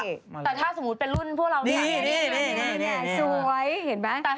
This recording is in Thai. แต่ถ้าเป็นรุ่นพวกเรานี่